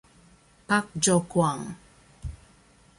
Pak Jo-kwang